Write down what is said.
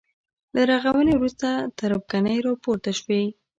له رغاونې وروسته تربګنۍ راپورته شوې.